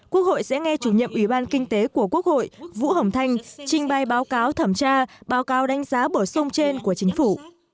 quốc hội sẽ nghe chủ nhiệm ủy ban kinh tế của quốc hội vũ hồng thanh trình bày báo cáo thẩm tra báo cáo đánh giá bổ sung trên của chính phủ